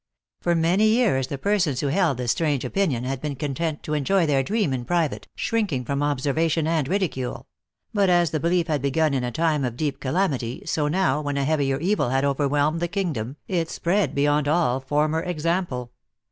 For many years the persons who held this strange opinion had been content to enjoy their dream in private, shrinking from observation and ridicule ; but as the belief had begun in a time of deep calamity, so now, when a heavier evil had overwhelmed the kingdom, it spread beyond all former example.